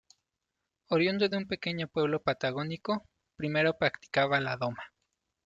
Oriundo de un pequeño pueblo patagónico, primero practicaba la doma.